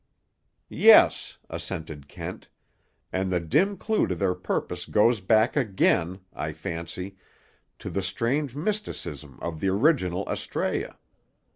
"Yes," assented Kent, "and the dim clue to their purpose goes back again, I fancy, to the strange mysticism of the original Astræa.